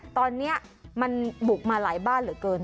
ตอนนี้มันบุกมาหลายบ้านเหลือเกิน